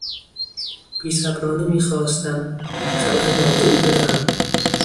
بیصبرانه میخواستم خبر را به او بدهم.